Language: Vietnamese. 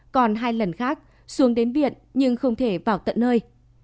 còn hai lần khác xuống đến viện nhưng không thể vào tận nơi